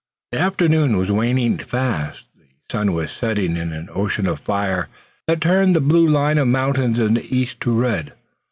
The afternoon was waning fast. The sun was setting in an ocean of fire that turned the blue line of the mountains in the east to red.